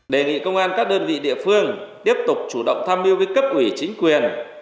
đề nghị công an các đơn vị địa phương tiếp tục chủ động tham mưu với cấp ủy chính quyền